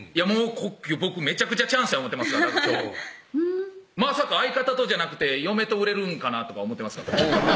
僕めちゃくちゃチャンスや思てますから今日まさか相方とじゃなくて嫁と売れるんかなとか思ってます